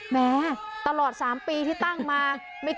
แม้ตลอด๓ปีที่ตั้งมา